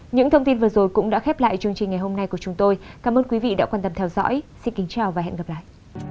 những thông tin vừa rồi cũng đã khép lại chương trình ngày hôm nay của chúng tôi cảm ơn quý vị đã quan tâm theo dõi xin kính chào và hẹn gặp lại